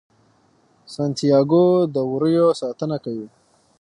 سانتیاګو د وریو ساتنه کوي.